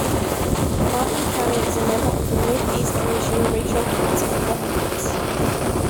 Martin County is a member of the Mid-East Commission regional council of governments.